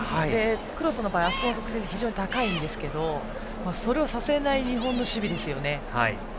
クロスの場合、あそこの得点が非常に高いんですけどそれをさせない日本の守備ですね。